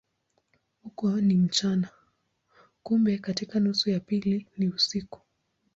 Huko ni mchana, kumbe katika nusu ya pili ni usiku.